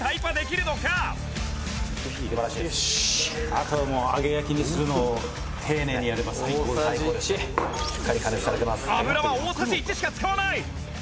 「あとはもう揚げ焼きにするのを丁寧にやれば最高」「大さじ１」油は大さじ１しか使わない！